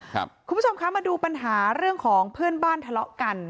คุณผู้ชมคะมาดูปัญหาเรื่องของเพื่อนบ้านทะเลาะกัน